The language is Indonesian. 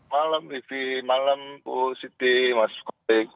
malam livi malam bu siti mas kopi